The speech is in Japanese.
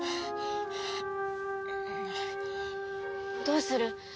どうする？